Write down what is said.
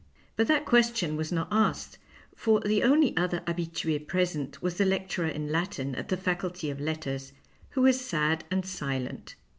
But the question was not asked, for the only other hahitui present was the Lecturer in Latin at the Faculty of Letters, who was sad and silent.